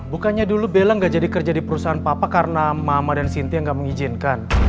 bukannya dulu bella gak jadi kerja di perusahaan papa karena mama dan sintia nggak mengizinkan